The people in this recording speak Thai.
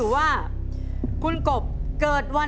ถ้าตอบถูก๔ข้อรับ๑๐๐๐๐๐๐บาท